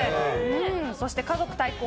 そして家族対抗！